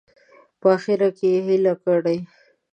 په اخره کې یې هیله کړې.